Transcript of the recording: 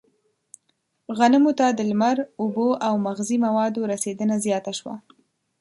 غنمو ته د لمر، اوبو او مغذي موادو رسېدنه زیاته شوه.